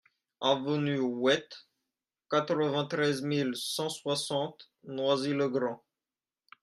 Avenue Houette, quatre-vingt-treize mille cent soixante Noisy-le-Grand